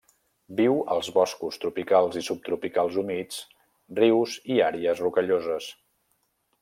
Viu als boscos tropicals i subtropicals humits, rius i àrees rocalloses.